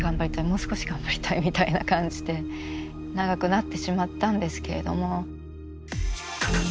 もう少し頑張りたいみたいな感じで長くなってしまったんですけれども。